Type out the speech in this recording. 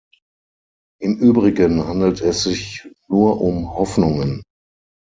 Im Übrigen handelt es sich nur um Hoffnungen.